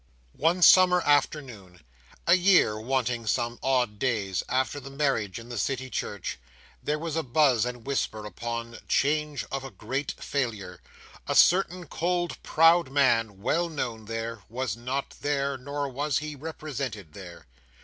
One summer afternoon; a year, wanting some odd days, after the marriage in the City church; there was a buzz and whisper upon "Change of a great failure. A certain cold proud man, well known there, was not there, nor was he represented there.